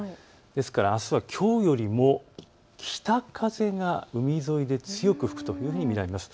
ですからあすはきょうよりも北風が海沿いで強く吹くというふうに見られます。